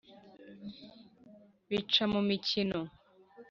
Bica mu mikino .